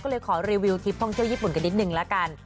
ก็เลยขอรีวิวทริปท่องเที่ยวญี่ปุ่นกันนิดนึงละกัน